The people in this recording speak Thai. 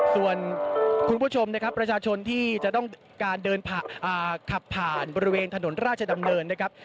ส่วนคุณผู้ชมนะครับประชาชนที่จะต้องการเดินขับผ่านบริเวณถนนราชดำเนินนะครับ